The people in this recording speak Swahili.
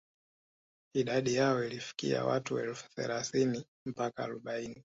Idadi yao ilifikia watu elfu thelathini mpaka arobaini